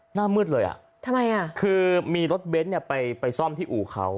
หน้ามืดเลยอ่ะทำไมอ่ะคือมีรถเบนท์เนี่ยไปซ่อมที่อู่เขา